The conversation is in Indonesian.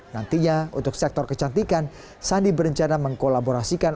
nantinya untuk sektor kecantikan sandi berencana mengkolaborasikan